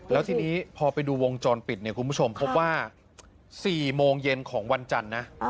แล้วทีนี้พอไปดูวงจรปิดเนี่ยคุณผู้ชมพบว่า๔โมงเย็นของวันจันทร์นะ